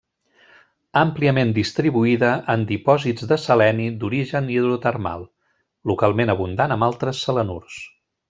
Àmpliament distribuïda en dipòsits de seleni d'origen hidrotermal; localment abundant amb altres selenurs.